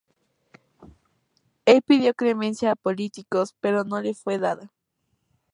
El pidió clemencia a políticos, pero no le fue dada.